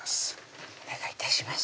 お願い致します